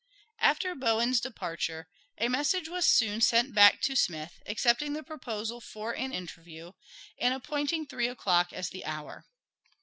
After Bowen's departure a message was soon sent back to Smith, accepting the proposal for an interview, and appointing three o'clock as the hour.